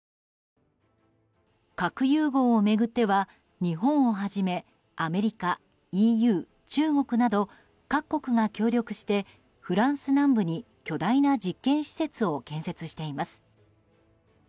核融合を巡っては、日本をはじめアメリカ、ＥＵ、中国など各国が協力してフランス南部に巨大な実験施設を建設しています。